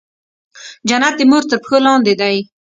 جنت د مور تر پښو لاندې دی